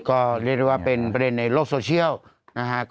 ก็เรียกได้ว่าเป็นประเด็นในโลกโซเชียลนะฮะ